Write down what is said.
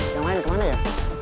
yang lain kemana ya